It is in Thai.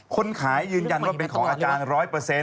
คนขายยืนยันว่าเป็นของอาจารย์๑๐๐